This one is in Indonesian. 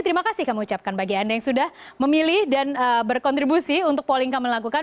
terima kasih kamu ucapkan bagi anda yang sudah memilih dan berkontribusi untuk polling kamu lakukan